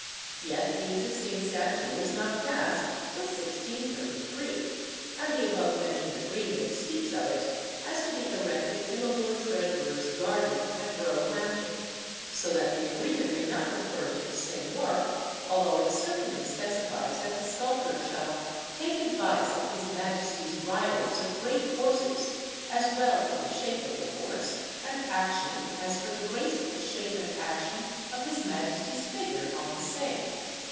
Yet the existing statue was not cast till 1633, and the above mentioned agreement speaks of it as to be erected in the Lord Treasurer's garden at Roehampton; so that the agreement may not refer to the same work, although it certainly specifies that the sculptor shall "take advice of his Maj. riders of greate horses, as well for the shape of the horse and action as for the graceful shape and action of his Maj. figure on the same."